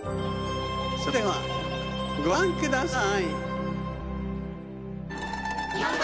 それではごらんください。